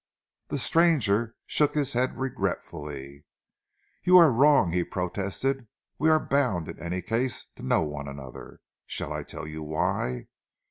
The stranger shook his head regretfully. "You are wrong," he protested. "We were bound, in any case, to know one another. Shall I tell you why?